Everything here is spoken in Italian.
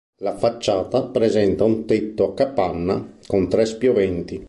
La facciata presenta un tetto a capanna con tre spioventi.